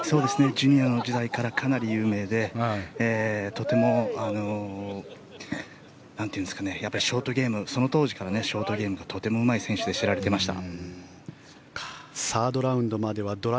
ジュニアの時代からかなり有名でとてもショートゲームその当時からショートゲームがとてもうまい選手で知られていました。